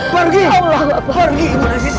pergi ibu dari sini